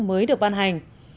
mới được ban hành